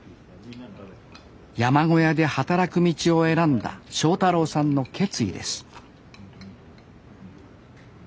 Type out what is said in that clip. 山小屋で働く道を選んだ正太郎さんの決意です